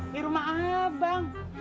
di rumah abang